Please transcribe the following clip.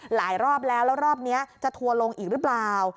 รอบแล้วแล้วรอบนี้จะทัวร์ลงอีกหรือเปล่า